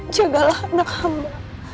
jagalah anak amba